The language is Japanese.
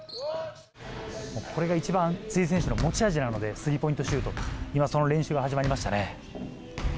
これが一番、辻選手の持ち味なので、スリーポイントシュート、今、その練習が始まりましたね。